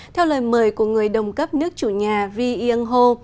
theo lời mời của người đồng cấp nước chủ nhà vy yen ho